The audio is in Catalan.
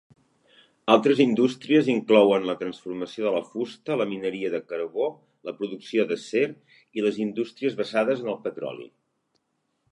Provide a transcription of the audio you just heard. Altres indústries inclouen la transformació de la fusta, la mineria de carbó, la producció d'acer i les indústries basades en el petroli.